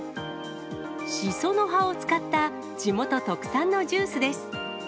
シソの葉を使った地元特産のジュースです。